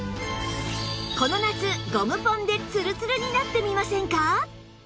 この夏ゴムポンでつるつるになってみませんか？